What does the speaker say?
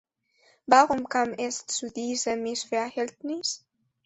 Warum kam es zu diesem Missverhältnis?